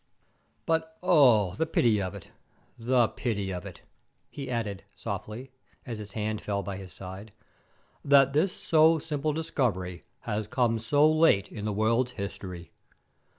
"But oh, the pity of it, the pity of it!" he added, sadly, as his hand fell by his side, "that this so simple discovery has come so late in the world's history!